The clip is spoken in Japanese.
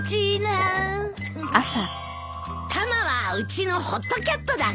タマはうちのホットキャットだね。